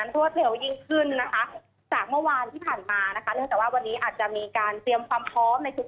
เนื่องจากว่าในวันนี้คือความวินจะอะไร